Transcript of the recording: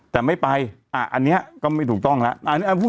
แต่ไม่ไปอันนี้ก็ไม่ถูกต้องแล้ว